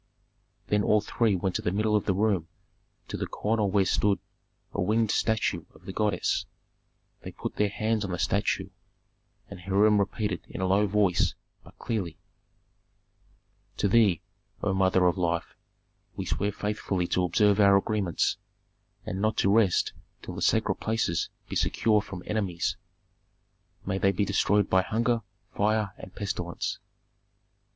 Then all three went to the middle of the room to the corner where stood a winged statue of the goddess; they put their hands on the statue, and Hiram repeated in a low voice, but clearly, "To thee, O Mother of Life, we swear faithfully to observe our agreements, and not to rest till the sacred places be secure from enemies, may they be destroyed by hunger, fire, and pestilence.